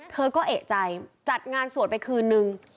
เธอก็เอกใจจัดงานสวดไปคืนนึง